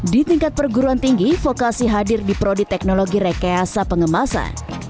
di tingkat perguruan tinggi vokasi hadir di prodi teknologi rekayasa pengemasan